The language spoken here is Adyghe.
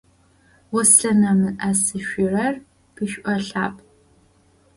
Узлъынэмыӏэсышъурэр пшӏолъапӏ.